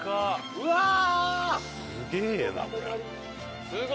うわー！